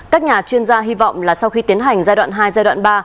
các nhà chuyên gia hy vọng là sau khi tiến hành giai đoạn hai giai đoạn ba